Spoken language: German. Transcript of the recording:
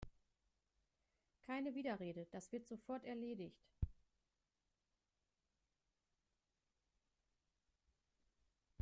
Keine Widerrede, das wird sofort erledigt!